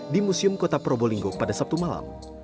di museum kota probolinggo pada sabtu malam